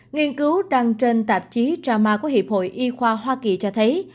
nghiên cứu đăng trên tạp chí rama của hiệp hội y khoa hoa kỳ cho thấy